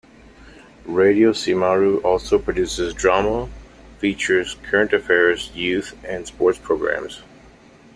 Radio Cymru also produces drama, features, current affairs, youth, and sports programming.